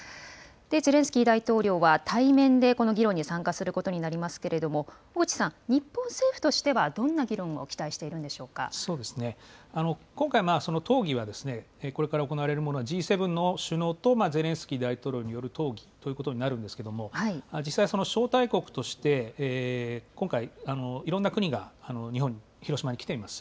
ゼレンスキー大統領は対面でこの議論に参加することになりますけれども、小口さん、日本政府としてはどんな議論を期待しているんそうですね、今回、討議がこれから行われるものはＧ７の首脳とゼレンスキー大統領による討議ということになるんですけれども、実際はその招待国として、今回、いろんな国が日本に、広島に来ています。